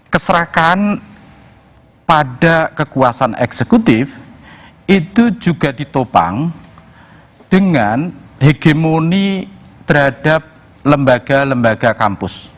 keserakan pada kekuasaan eksekutif itu juga ditopang dengan hegemoni terhadap lembaga lembaga kampus